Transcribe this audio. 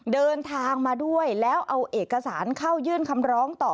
เดินทางมาด้วยแล้วเอาเอกสารเข้ายื่นคำร้องต่อ